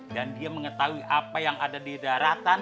dan dia mengetahui apa yang ada di daratan